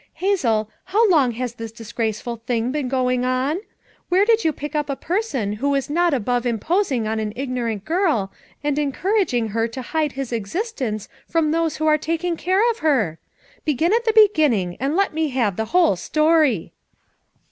Hazel, how long has this disgraceful thing been going on? Where did you pick up a person who is not above impos ing on an ignorant girl and encouraging her to I w. JV!n 234 FOUR MOTHERS AT CHAUTAUQUA hide Ms existence from those who are taking care of her? Begin at the heginning and let me have the whole story."